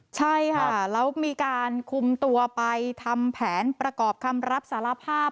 ใช่ค่ะแล้วมีการคุมตัวไปทำแผนประกอบคำรับสารภาพ